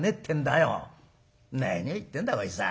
「何を言ってんだこいつは。